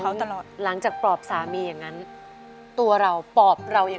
เปลี่ยนเพลงเพลงเก่งของคุณและข้ามผิดได้๑คำ